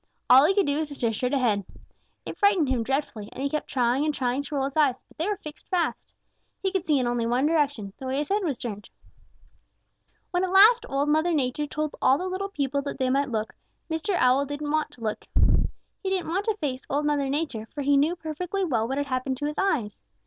All he could do was to stare straight ahead. It frightened him dreadfully, and he kept trying and trying to roll his eyes, but they were fixed fast. He could see in only one direction, the way his head was turned. "When at last Old Mother Nature told all the little people that they might look, Mr. Owl didn't want to look. He didn't want to face Old Mother Nature, for he knew perfectly well what had happened to his eyes.